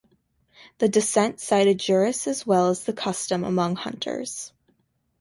The dissent cited jurists as well as the custom among hunters.